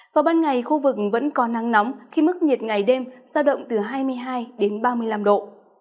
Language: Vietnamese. vào ban ngày khu vực vẫn có nắng nóng khi mức nhiệt ngày đêm giao động từ hai mươi hai đến ba mươi năm độ